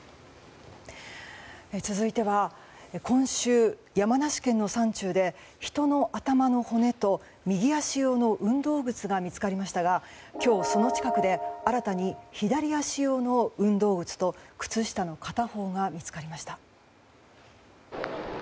続いては今週、山梨県の山中で人の頭の骨と、右足用の運動靴が見つかりましたが今日、その近くで新たに左足用の運動靴と靴下の片方が見つかりました。